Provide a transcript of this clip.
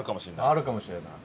あるかもしれない。